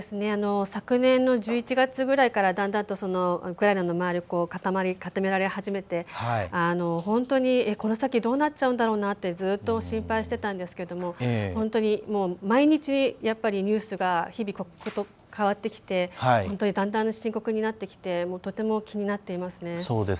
昨年の１１月ぐらいからだんだんとウクライナの周りが固められ始めて、この先どうなっちゃうんだろうってずっと心配してたんですけども本当に毎日、やっぱりニュースが日々、ことが変わってきて本当にだんだん深刻になってきてとても気になっていますね。